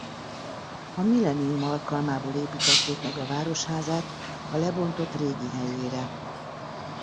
A millennium alkalmából építették meg a városházát a lebontott régi helyére.